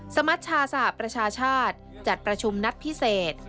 สมัชชาสหประชาชาติจัดประชุมนัดพิเศษ